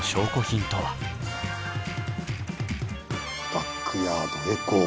バックヤードへゴー。